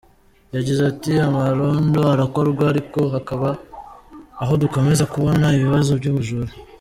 Yagize ati “Amarondo arakorwa ariko hakaba aho dukomeza kubona ibibazo by’ubujura.